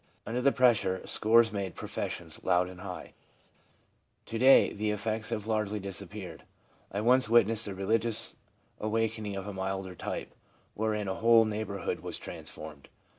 Under the pressure, scores made professions, loud and high; to day the effects have largely disappeared. I once witnessed a religious awakening of a milder type, wherein a whole neighbourhood was transformed.